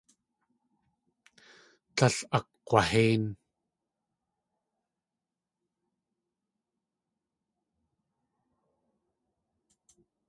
Tlél akg̲wahéin.